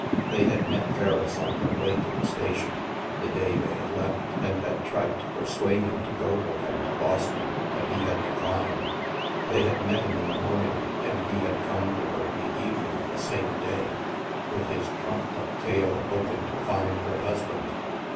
They had met Ferriss on their way to the station, the day they had left, and had tried to persuade him to go with them to Boston, but he had de clined. They had met him in the morning, and he had come to her in the evening of the same day, with his trumped up tale of hoping to find her husband